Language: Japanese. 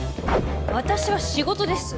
私は仕事です。